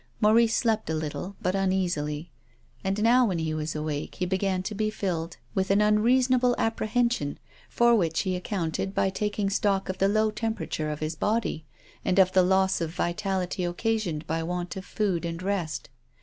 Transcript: Maurice slept a little, but uncasilj'. And now, when he was awake, he began to be filled with an un 260 TONGUES OF CONSCIENCE. reasonable apprehension, for which he accounted by taking stock of the low temperature of his body, and of the loss of vitality occasioned by want of food and rest.